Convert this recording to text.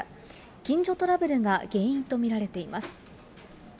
近所トラブルが原因と見られています。